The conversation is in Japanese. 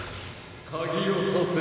・鍵を挿せ！